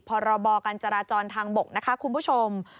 พรบการจราจรทางบกนะคะคุณผู้ชม